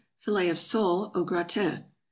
=Fillet of Sole au gratin.